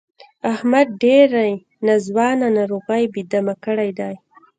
احمد ډېرې ناځوانه ناروغۍ بې دمه کړی دی.